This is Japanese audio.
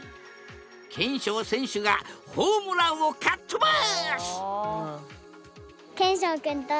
けんしょう選手がホームランをかっ飛ばす！